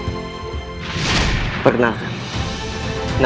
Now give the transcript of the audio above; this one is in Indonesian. aku tidak bisa melupakan sesama